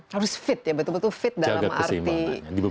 harus fit ya betul betul fit dalam arti fisik dan mental